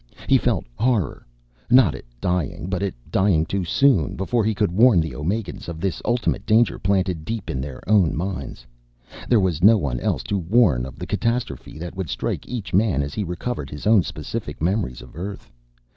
He felt horror, not at dying, but at dying too soon, before he could warn the Omegans of this ultimate danger planted deep in their own minds. There was no one else to warn of the catastrophe that would strike each man as he recovered his own specific memories of Earth.